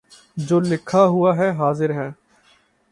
جو لکھا ہوا ہے حاضر ہے